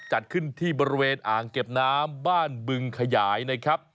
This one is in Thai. จัดขึ้นที่บริเวณอ่างเก็บน้ำบ้านบึงขยายนะครับ